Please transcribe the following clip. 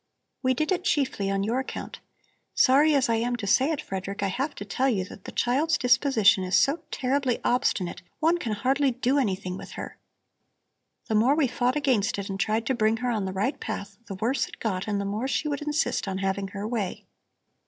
We did it chiefly on your account. Sorry as I am to say it, Frederick, I have to tell you that the child's disposition is so terribly obstinate one can hardly do anything with her. The more we fought against it and tried to bring her on the right path, the worse it got and the more she would insist on having her way.